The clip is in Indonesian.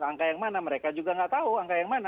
angka yang mana mereka juga nggak tahu angka yang mana